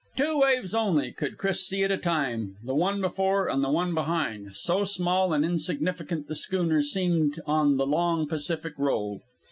Two waves only could Chris see at a time the one before and the one behind. So small and insignificant the schooner seemed on the long Pacific roll!